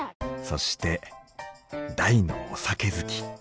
そして大のお酒好き。